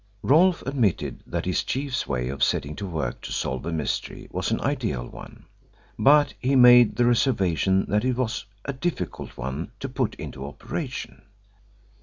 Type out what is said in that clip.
Rolfe admitted that his chief's way of setting to work to solve a mystery was an ideal one, but he made the reservation that it was a difficult one to put into operation.